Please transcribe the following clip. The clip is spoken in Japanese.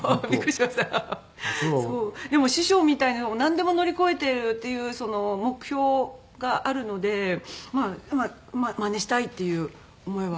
でも師匠みたいになんでも乗り越えてるっていう目標があるのでマネしたいっていう思いは。